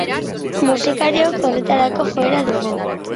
Musikariok horretarako joera dugu.